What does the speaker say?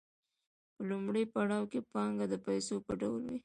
په لومړي پړاو کې پانګه د پیسو په ډول وي